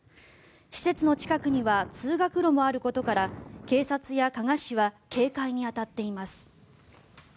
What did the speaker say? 施設の近くには通学路もあることから警察や加賀市は警戒に当たっています。